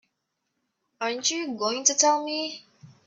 Aren't you going to tell me?